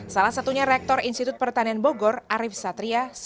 salah satunya rektor institut pertanian bogor arief satria